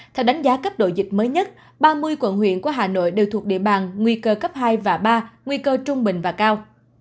theo đánh giá cấp độ dịch mới nhất ba mươi quận huyện của hà nội đều thuộc địa bàn nguy cơ cấp hai và ba nguy cơ trung bình và cao